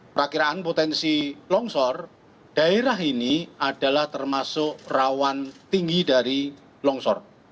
perakiraan potensi longsor daerah ini adalah termasuk rawan tinggi dari longsor